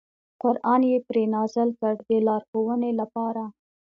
قران یې پرې نازل کړ د لارښوونې لپاره.